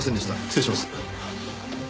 失礼します。